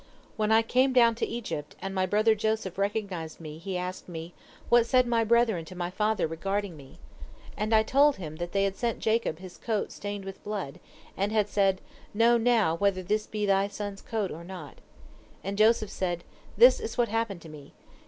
"When I came down to Egypt, and my brother Joseph recognized me, he asked me, 'What said my brethren to my father regarding me?' And I told him that they had sent Jacob his coat stained with blood, and had said, 'Know now whether this be thy son's coat or not.' And Joseph said: 'This is what happened to me.